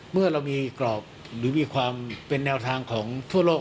เมื่อเรามีกรอบหรือมีความเป็นแนวทางของทั่วโลก